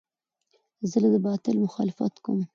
زه د باطل مخالفت کوم.